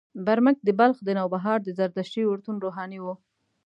برمک د بلخ د نوبهار د زردشتي اورتون روحاني و.